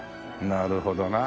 なるほどな。